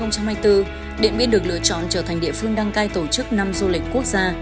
năm hai nghìn hai mươi bốn điện biên được lựa chọn trở thành địa phương đăng cai tổ chức năm du lịch quốc gia